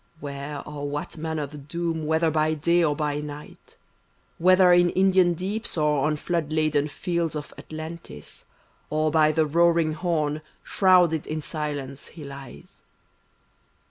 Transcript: Where or what manner the doom, whether by day or by night; Whether in Indian deeps or on flood laden fields of Atlantis, Or by the roaring Horn, shrouded in silence he lies.